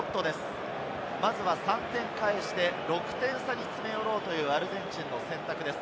まずは３点返して６点差に詰め寄ろうというアルゼンチンの選択です。